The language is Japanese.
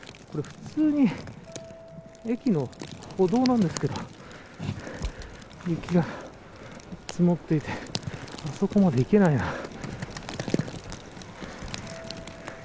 普通に駅の歩道なんですけど雪が積もっていてあそこまで行けないな。